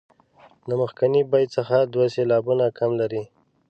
د مخکني بیت څخه دوه سېلابونه کم لري.